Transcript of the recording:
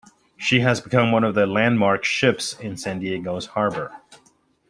She has become one of the landmark ships in San Diego's Harbor.